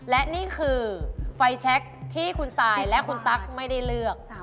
และนี่คือไฟแชคที่คุณซายและคุณตั๊กไม่ได้เลือก